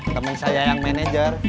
temen saya yang manajer